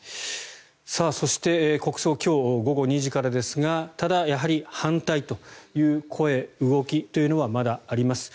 そして、国葬今日午後２時からですがただ、やはり反対の声、動きというのはまだあります。